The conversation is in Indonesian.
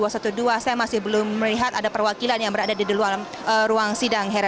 saya masih belum melihat ada perwakilan yang berada di luar ruang sidang hera